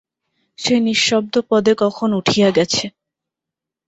সে নিঃশব্দপদে কখন উঠিয়া গেছে।